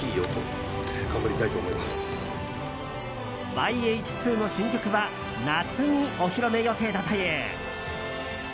ｙＨ２の新曲は夏にお披露目予定だという。